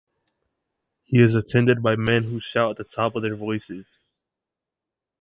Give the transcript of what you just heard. He is attended by men who shout at the top of their voices.